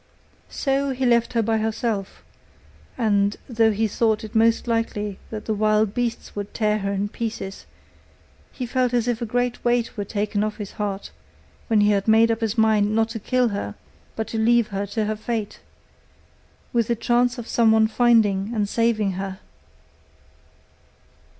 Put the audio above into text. So he left her by herself; and though he thought it most likely that the wild beasts would tear her in pieces, he felt as if a great weight were taken off his heart when he had made up his mind not to kill her but to leave her to her fate, with the chance of someone finding and saving her.